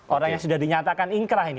orang yang sudah dinyatakan ingkrah ini